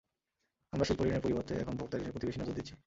আমরা শিল্প ঋণের পরিবর্তে এখন ভোক্তা ঋণের প্রতি বেশি নজর দিচ্ছি।